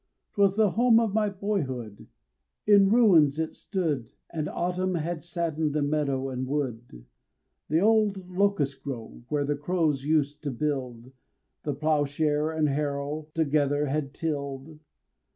'Twas the home of my boyhood. In ruins it stood, And autumn had saddened the meadow and wood; The old locust grove, where the crows used to build, The plowshare and harrow together had tilled.